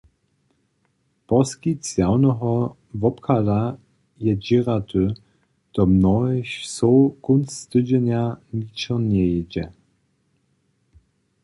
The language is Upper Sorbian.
Poskitk zjawneho wobchada je dźěraty, do mnohich wsow kónc tydźenja ničo njejězdźi.